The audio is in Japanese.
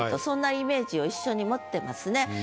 そんなイメージを一緒に持ってますね。